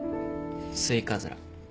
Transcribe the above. スイカズラ。